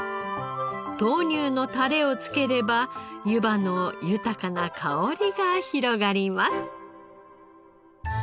豆乳のタレをつければゆばの豊かな香りが広がります。